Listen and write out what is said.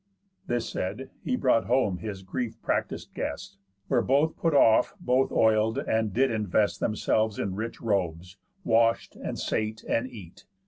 This said, he brought home his grief practis'd guest; Where both put off, both oil'd, and did invest Themselves in rich robes, wash'd, and sate, and eat.